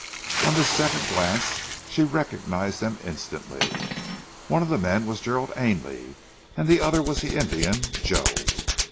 On this second glance she recognized them instantly. One of the men was Gerald Ainley and the other was the Indian, Joe.